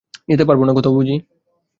যেতে পাববো না কোথাও বুঝি?